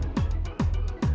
ya ini salah aku